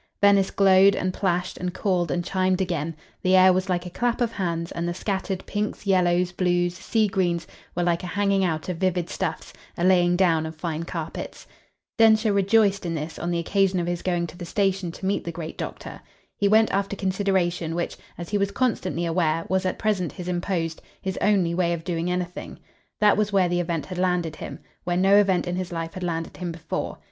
Venice glowed and plashed and called and chimed again; the air was like a clap of hands, and the scattered pinks, yellows, blues, sea greens, were like a hanging out of vivid stuffs, a laying down of fine carpets. Densher rejoiced in this on the occasion of his going to the station to meet the great doctor. He went after consideration, which, as he was constantly aware, was at present his imposed, his only, way of doing anything. That was where the event had landed him where no event in his life had landed him before.